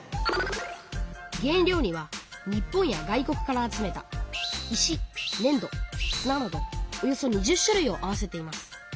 原料には日本や外国から集めた石ねん土すななどおよそ２０種類を合わせています。